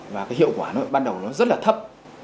và cái hiệu quả nó ban đầu nó rất là thấp